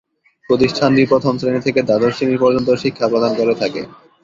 প্রতিষ্ঠানটি প্রথম শ্রেণী থেকে দ্বাদশ শ্রেণী পর্যন্ত শিক্ষা প্রদান করে থাকে।